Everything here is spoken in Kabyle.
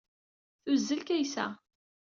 Tuzzel Kaysa.